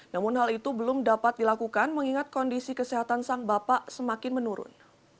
namun hal itu belum dapat dilakukan mengingat kondisi kesehatan sang bapak semakin menurun